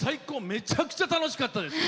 めちゃくちゃ楽しかったです。